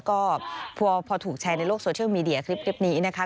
ก็พอถูกแชร์ในโลกโซเชียลมีเดียคลิปนี้นะคะ